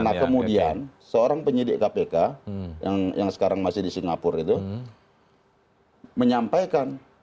nah kemudian seorang penyidik kpk yang sekarang masih di singapura itu menyampaikan